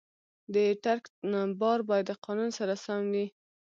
د ټرک بار باید د قانون سره سم وي.